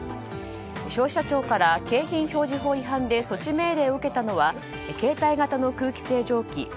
消費者庁から景品表示法違反で措置命令を受けたのは携帯型の空気清浄機